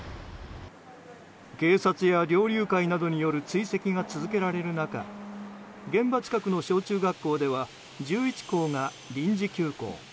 警察や猟友会などによる追跡が続けられる中現場近くの小中学校では１１校が臨時休校。